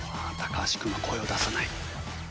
橋君は声を出さない。